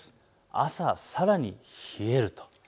朝、さらに冷えると。